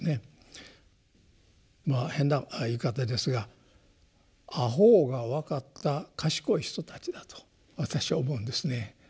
まあ変な言い方ですが「阿呆が分かった賢い人たち」だと私は思うんですね。